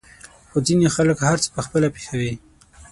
خو ځينې خلک هر څه په خپله پېښوي.